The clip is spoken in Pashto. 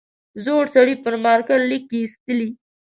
زوړ سړي پر مارکر ليکې ایستلې.